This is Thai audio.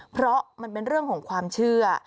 เพราะมันเป็นเรื่องของความเชื่อ